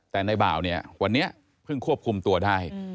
แต่ในบ่าวเนี่ยวันนี้เพิ่งควบคุมตัวได้